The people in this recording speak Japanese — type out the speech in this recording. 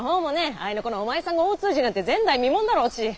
合いの子のお前さんが大通詞なんて前代未聞だろうし。